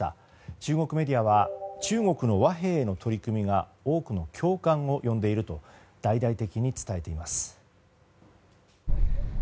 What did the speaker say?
中国メディアは中国の和平の取り組みが多くの共感を呼んでいると大々的に伝えています。